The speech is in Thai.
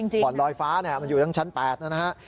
ผ่อนลอยฟ้ามันอยู่ทั้งชั้น๘นะฮะ